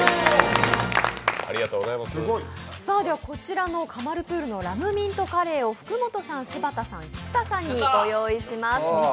こちらのカマルプールのラムミントカレーを福本さん、柴田さん、菊田さんにご用意いたしました。